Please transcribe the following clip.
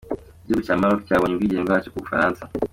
Igihugu cya Maroc cyabonye ubwigenge bwacyo ku Bufaransa.